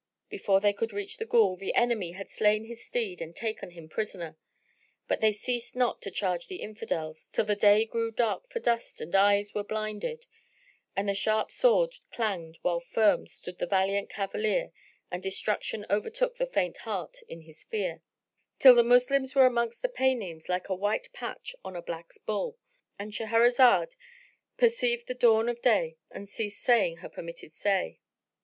Before they could reach the Ghul, the enemy had slain his steed and taken him prisoner; but they ceased not to charge the Infidels, till the day grew dark for dust and eyes were blinded, and the sharp sword clanged while firm stood the valiant cavalier and destruction overtook the faint heart in his fear; till the Moslems were amongst the Paynims like a white patch on a black bull.——And Shahrazad perceived the dawn of day and ceased saying her permitted say.